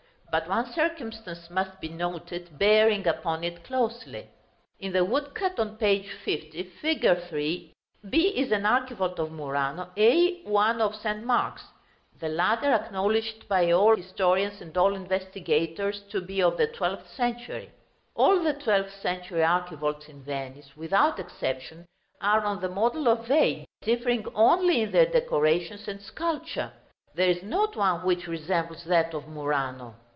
But one circumstance must be noted, bearing upon it closely. In the woodcut on page 50, Fig. III., b is an archivolt of Murano, a one of St. Mark's; the latter acknowledged by all historians and all investigators to be of the twelfth century. All the twelfth century archivolts in Venice, without exception, are on the model of a, differing only in their decorations and sculpture. There is not one which resembles that of Murano.